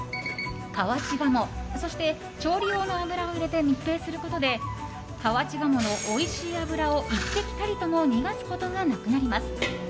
河内鴨、そして調理用の油を入れて密閉することで河内鴨のおいしい脂を１滴たりとも逃がすことがなくなります。